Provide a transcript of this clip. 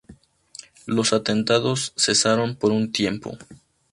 Los atentados cesaron por un tiempo.